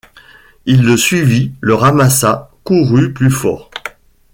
Il le suivit, le ramassa, courut plus fort.